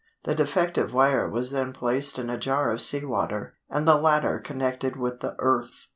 The defective wire was then placed in a jar of sea water, and the latter connected with the earth.